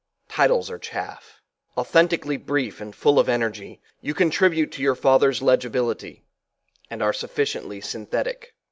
Titles are chaff, f Authentically brief and full of energy, you contribute to your father's legibility and are sufficiently synthetic.